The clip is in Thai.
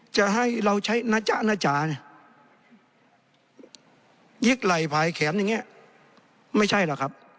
จะให้เราใช้นะจ๊ะนะจ๊ะยิกไหล่พายแขนอย่างเงี้ยไม่ใช่หรอกครับ